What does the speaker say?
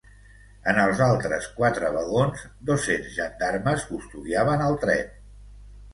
En altres quatre vagons, dos-cents gendarmes custodiaven el tren.